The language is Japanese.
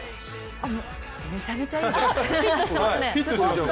あっ、めちゃめちゃいいです。